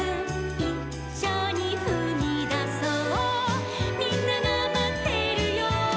「『いっしょにふみだそうみんながまってるよ』」